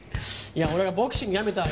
俺がボクシングやめた